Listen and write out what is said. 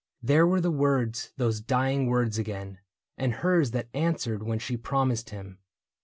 There were the words, those dying words again. And hers that answered when she promised him.